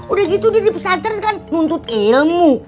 udah gitu dia di pesan tren kan nguntut ilmu